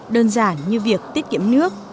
đơn giản như việc tiết kiệm nước